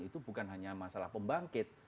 itu bukan hanya masalah pembangkit